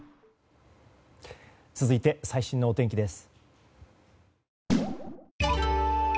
続いて最新のお天気です。